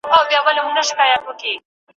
هغه خلک چي بدلون مني تر نورو ژر پرمختګ کوي.